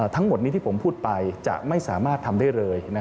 ทั้งหมดนี้ที่ผมพูดไปจะไม่สามารถทำได้เลย